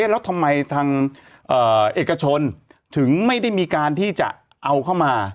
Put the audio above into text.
แล้วทำไมทางเอกชนถึงไม่ได้มีการที่จะเอาเข้ามา